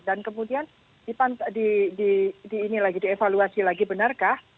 dan kemudian di ini lagi dievaluasi lagi benarkah